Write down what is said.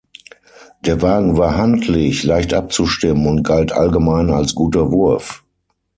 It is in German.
Der Wagen war handlich, leicht abzustimmen und galt allgemein als guter Wurf.